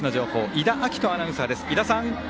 伊田晃都アナウンサーです。